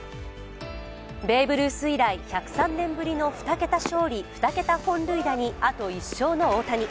ベーブ・ルース以来、１０３年ぶりの２桁勝利・２桁本塁打にあと１勝の大谷。